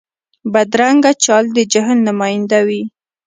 بدرنګه چال د جهل نماینده وي